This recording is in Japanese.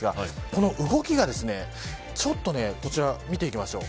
この動きがこの動きを見ていきましょう。